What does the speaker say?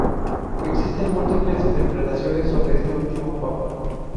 Existen múltiples interpretaciones sobre este último papa.